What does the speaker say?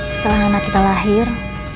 setelah anak kita lahir